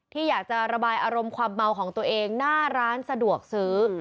ที่อยากจะระบายอารมณ์ความเมาของตัวเองหน้าร้านสะดวกซื้อ